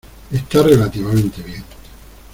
Está relativamente bien.